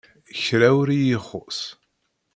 Kra ur iyi-ixus.